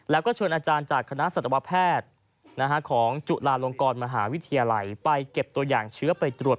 แล้วก็เชิญอาจารย์จากคณะสัตวแพทย์ของจุฬาลงกรมหาวิทยาลัยไปเก็บตัวอย่างเชื้อไปตรวจ